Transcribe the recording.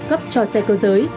cấp cho xe cơ giới